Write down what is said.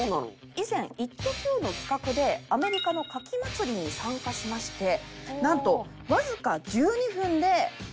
以前『イッテＱ！』の企画でアメリカの牡蠣祭りに参加しましてなんとわずか１２分で。